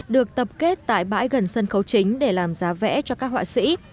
được tập kết tại bãi gần sân khấu chính để làm giá vẽ cho các họa sĩ